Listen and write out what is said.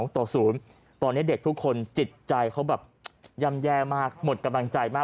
ตอนนี้เด็กทุกคนจิตใจเขาแบบย่ำแย่มากหมดกำลังใจมาก